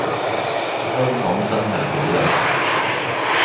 香港真係好靚